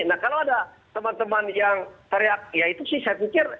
nah kalau ada teman teman yang teriak ya itu sih saya pikir